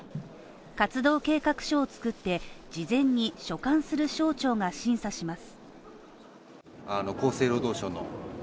活動計画書を作って、事前に所管する省庁が審査します。